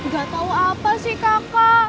gak tau apa sih kakak